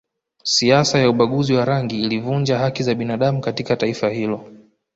Siasa ya ubaguzi wa rangi ilivunja haki za binadamu katika taifa hilo